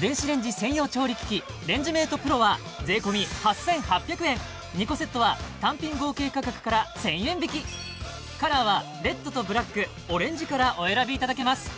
電子レンジ専用調理機器レンジメートプロは２個セットは単品合計価格から１０００円引きカラーはレッドとブラックオレンジからお選びいただけます